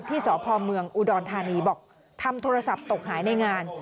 ที่สพเมืองอุดรธานีบอกทำโทรศัพท์ตกหายในงาน